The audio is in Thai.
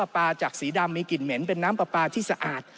เป็นน้ำปลาที่สะอาด